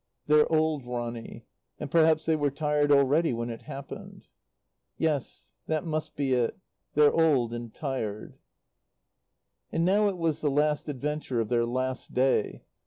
"They're old, Ronny. And perhaps they were tired already when it happened." "Yes, that must be it. They're old and tired." And now it was the last adventure of their last day.